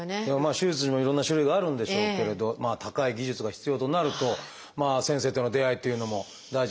手術にもいろんな種類があるんでしょうけれど高い技術が必要となると先生との出会いというのも大事になってくるかもしれませんね。